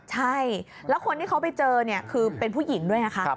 ใช่แล้วคนที่เขาไปเจอเนี่ยคือเป็นผู้หญิงด้วยนะคะ